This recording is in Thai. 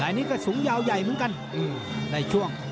อันนี้ก็สูงยาวใหญ่เหมือนกันในช่วง